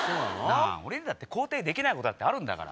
俺にだって肯定できないことあるんだから。